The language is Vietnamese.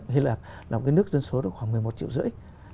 hy lạp là một cái nước dân số khoảng một mươi một triệu rưỡi